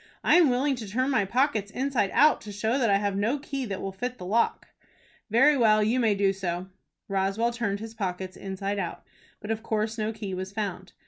"I am willing to turn my pockets inside out, to show that I have no key that will fit the lock." "Very well. You may do so." Roswell turned his pockets inside out, but of course no key was found.